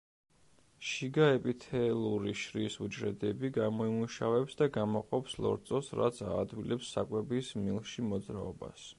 შიგა ეპითელური შრის უჯრედები გამოიმუშავებს და გამოყოფს ლორწოს, რაც აადვილებს საკვების მილში მოძრაობას.